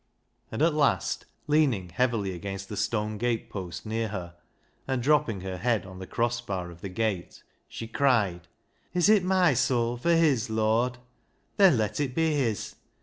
And at last, leaning heavily against the stone gate post near her, and, dropping her head on the crossbar of the gate, she cried —" Is it my soul fur his. Lord? Then let it be his.